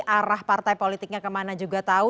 arah partai politiknya kemana juga tahu